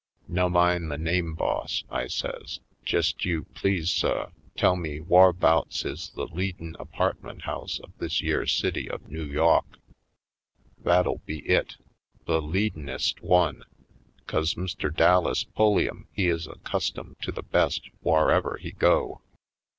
"Nummine the name, boss," I says, "jest you, please suh, tell me whar'bouts is the leadin' apartment house of this yere city of Noo Yawk; that'll be it — the lead in'est one. 'Cause Mr. Dallas Pulliam he is accustom' to the best whar'ever he go."